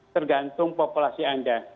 tergantung populasi anda